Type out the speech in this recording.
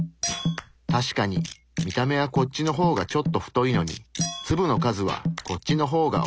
確かに見た目はこっちの方がちょっと太いのに粒の数はこっちの方が多い。